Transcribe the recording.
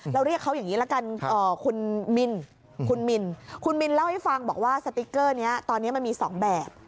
เรียกเขาอย่างนี้ละกันคุณมินคุณมินคุณมินเล่าให้ฟังบอกว่าสติ๊กเกอร์นี้ตอนนี้มันมี๒แบบ